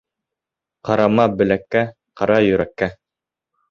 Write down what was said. Ҡарама беләккә, ҡара йөрәккә!